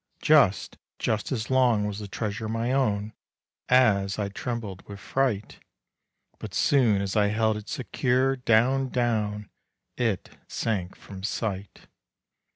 Just, just as long was the treasure my own, As I trembled with fright; But soon as I held it secure, down, down It sank from sight.